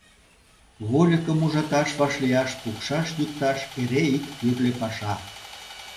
Вольыкым ужаташ-вашлияш, пукшаш-йӱкташ — эре ик тӱрлӧ паша.